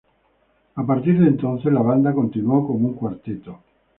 A partir de entonces la banda continuó como un cuarteto.